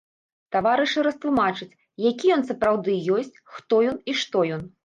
Таварышы растлумачаць, які ён сапраўды ёсць, хто ён і што ён.